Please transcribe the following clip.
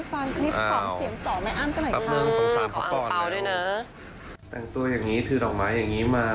เหมือนจริงอะ